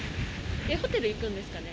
ホテル行くんですかね。